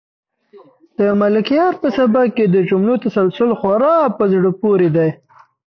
د ملکیار په سبک کې د جملو تسلسل خورا په زړه پورې دی.